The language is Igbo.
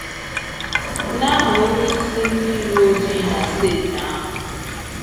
n'aha onyeisi ndị uwe ojii na steeti ahụ